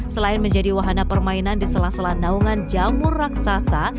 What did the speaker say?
selain menjadi wahana permainan di sela sela naungan jamur raksasa